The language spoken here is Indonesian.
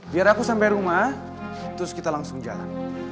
biar aku sampai rumah terus kita langsung jalan